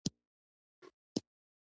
ځاا خپل کار کوه